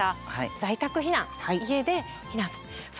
在宅避難家で避難する。